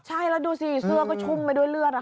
ใช่แล้วดูสิเสื้อก็ชุ่มไปด้วยเลือด